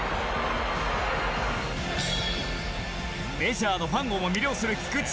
メジャーのファンをも魅了する菊池の速球。